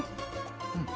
うん。